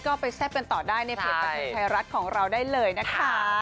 ก็ไปแซ่บกันต่อได้ในเพจบันเทิงไทยรัฐของเราได้เลยนะคะ